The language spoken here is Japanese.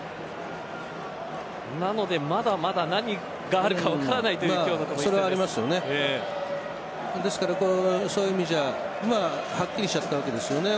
なので、まだまだ何があるか分からないというそういう意味じゃあはっきりしたわけです。